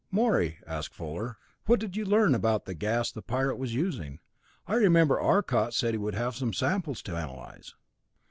"Morey," asked Fuller, "what did you learn about that gas the pirate was using? I remember Arcot said he would have some samples to analyze."